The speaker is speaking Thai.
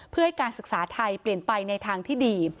เพื่อให้การศึกษาไทยเปลี่ยนไปในทางที่ดี